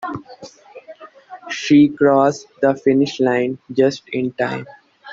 She crossed the finish line just in time.